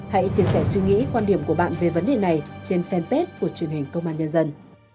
hãy chia sẻ suy nghĩ quan điểm của bạn về vấn đề này trên fanpage của truyền hình công an nhân dân